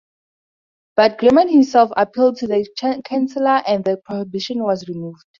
But Gramont himself appealed to the chancellor and the prohibition was removed.